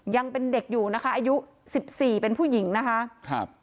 ยังเป็นเด็กอยู่นะคะอายุสิบสี่เป็นผู้หญิงนะคะครับ